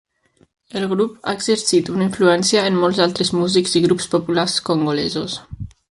El grup ha exercit una influència en molts altres músics i grups populars congolesos.